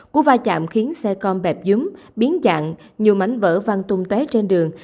cú va chạm khiến xe con bẹp dúm biến dạng nhiều mảnh vỡ văn tung tué trên đường